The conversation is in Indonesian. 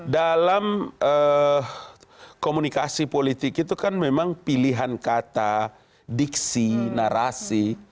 dalam komunikasi politik itu kan memang pilihan kata diksi narasi